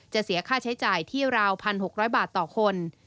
เสียค่าใช้จ่ายที่ราว๑๖๐๐บาทต่อคน